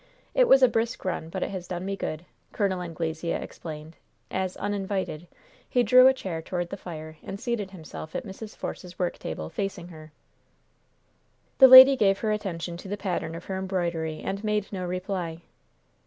It was a brisk run, but it has done me good," Col. Anglesea explained, as, uninvited, he drew a chair toward the fire and seated himself at Mrs. Force's worktable, facing her. The lady gave her attention to the pattern of her embroidery, and made no reply.